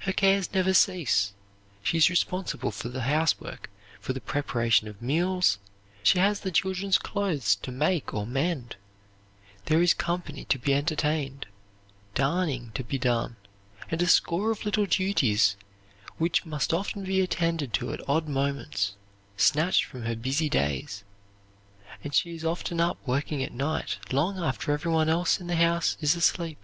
Her cares never cease. She is responsible for the housework, for the preparation of meals; she has the children's clothes to make or mend, there is company to be entertained, darning to be done, and a score of little duties which must often be attended to at odd moments, snatched from her busy days, and she is often up working at night, long after every one else in the house is asleep.